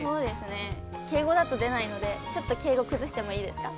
◆敬語だと出ないのでちょっと敬語を崩してもいいですか。